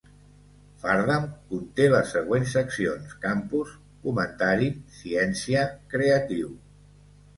Fardam conté les següents seccions: Campus, Comentari, Ciència, Creatiu.